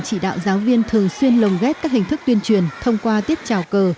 chỉ đạo giáo viên thường xuyên lồng ghép các hình thức tuyên truyền thông qua tiết trào cờ